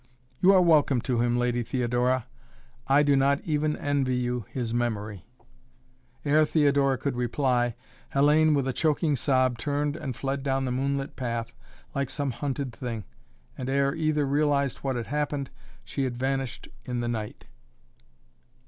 "You are welcome to him, Lady Theodora. I do not even envy you his memory." Ere Theodora could reply, Hellayne, with a choking sob, turned and fled down the moonlit path like some hunted thing, and ere either realized what had happened she had vanished in the night.